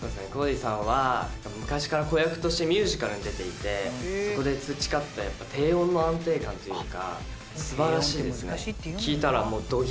昔から子役としてミュージカルに出ていてそこで培った低音の安定感というか素晴らしいですね。